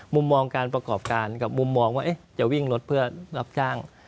มุมมองการประกอบการกับมุมมองว่าจะวิ่งรถเพื่อรับจ้าง